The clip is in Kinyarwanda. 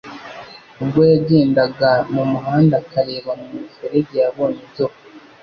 Ubwo yagendaga mu muhanda akareba mu muferege, yabonye inzoka